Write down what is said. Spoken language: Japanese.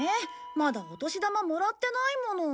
まだお年玉もらってないもの。